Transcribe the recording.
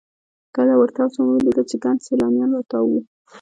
کله ورتاو سوم ومې لېدل چې ګڼ سیلانیان راتاو وو.